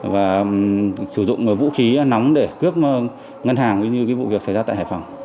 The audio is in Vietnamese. và sử dụng vũ khí nóng để cướp ngân hàng cũng như vụ việc xảy ra tại hải phòng